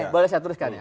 boleh saya teruskan ya